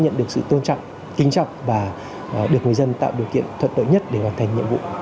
tạo điều kiện thuận lợi nhất để hoàn thành nhiệm vụ